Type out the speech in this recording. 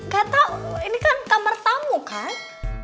gatau ini kan kamar tamu kan